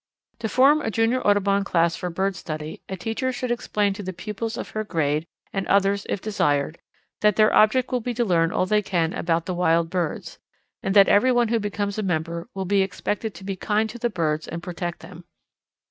To form a Junior Audubon Class for bird study, a teacher should explain to the pupils of her grade (and others if desired) that their object will be to learn all they can about the wild birds, and that every one who becomes a member will be expected to be kind to the birds and protect them.